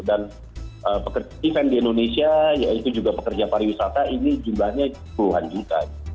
dan event di indonesia yaitu juga pekerja pariwisata ini jumlahnya puluhan juta